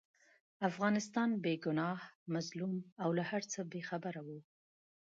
افغانستان بې ګناه، مظلوم او له هرڅه بې خبره وو.